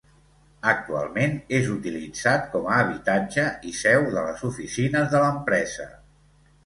Actualment és utilitzat com a habitatge i seu de les oficines de l'empresa.